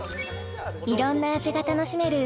いろんな味が楽しめる